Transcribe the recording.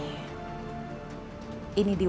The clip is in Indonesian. ini diwariskan kepada calon pengantin wanita